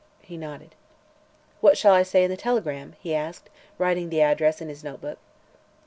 He nodded. "What shall I say in the telegram?" he asked, writing the address in his notebook.